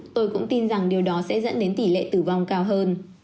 tôi cũng tin rằng điều đó sẽ dẫn đến tỷ lệ tử vong cao hơn